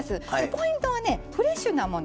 ポイントはねフレッシュなもの。